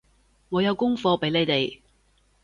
我有功課畀你哋